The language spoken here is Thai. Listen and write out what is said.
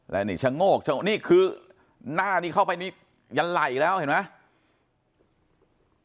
แล้วนี่ชะโงกชะโงนี่คือหน้านี้เข้าไปนี่ยันไหล่แล้วเห็นไหม